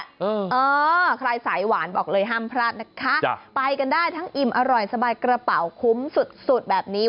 เออเออใครสายหวานบอกเลยห้ามพลาดนะคะไปกันได้ทั้งอิ่มอร่อยสบายกระเป๋าคุ้มสุดสุดแบบนี้